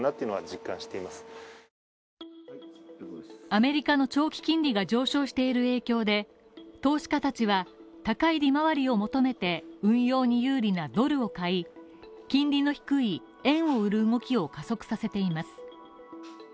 アメリカの長期金利が上昇している影響で、投資家たちは、高い利回りを求めて運用に有利なドルを買い、金利の低い円を売る動きを加速させています。